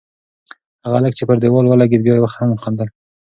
هغه هلک چې پر دېوال ولگېد، بیا یې هم خندل.